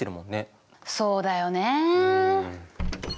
そうだよね。